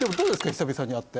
久々に会って。